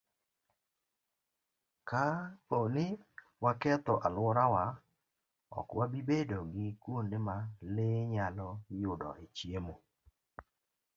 Kapo ni waketho alworawa, ok wabi bedo gi kuonde ma le nyalo yudoe chiemo.